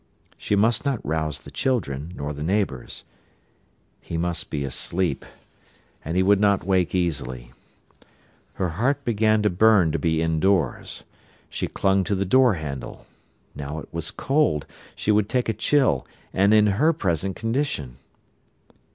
She must not rouse the children, nor the neighbours. He must be asleep, and he would not wake easily. Her heart began to burn to be indoors. She clung to the door handle. Now it was cold; she would take a chill, and in her present condition!